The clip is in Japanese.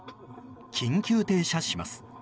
緊急停車します。